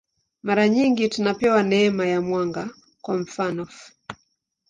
Mara nyingi tunapewa neema ya mwanga, kwa mfanof.